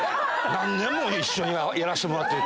何年も一緒にやらしてもらって。